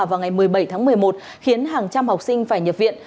vào ngày một mươi bảy tháng một mươi một khiến hàng trăm học sinh phải nhập viện